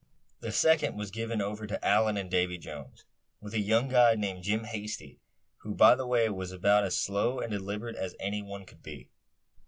The second was given over to Allan and Davy Jones, with a young guide named Jim Hasty; who, by the way was, about as slow and deliberate as any one could be.